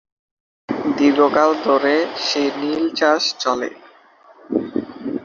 দীর্ঘকাল ধরে সেই নীল চাষ চলে।